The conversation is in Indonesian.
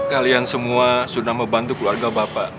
kalian semua sudah membantu keluarga bapak